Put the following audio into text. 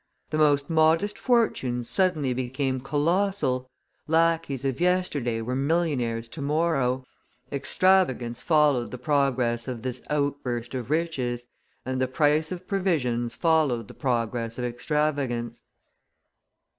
The most modest fortunes suddenly became colossal, lacqueys of yesterday were millionaires to morrow; extravagance followed the progress of this outburst of riches, and the price of provisions followed the progress of extravagance.